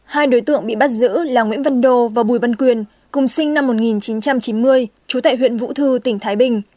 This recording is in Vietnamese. hai đối tượng bị bắt giữ là nguyễn văn đô và bùi văn quyền cùng sinh năm một nghìn chín trăm chín mươi trú tại huyện vũ thư tỉnh thái bình